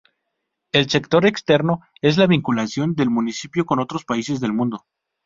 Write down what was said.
El sector externo es la vinculación del municipio con otros países del mundo.